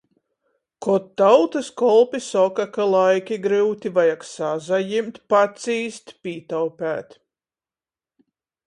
Kod tautys kolpi soka, ka laiki gryuti, vajag sasajimt, pacīst, pītaupeit...